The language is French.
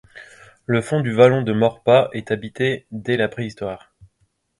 Le fond du vallon de Maurepas est habité dès la préhistoire.